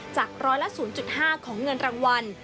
จากร้อยละ๐๕ของเงินรางวัล